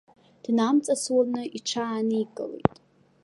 Днамҵасуаны, иҽааникылеит.